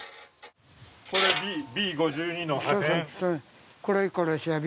これ、Ｂ５２の破片。